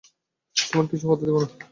তোমার কিছু হতে দেব না।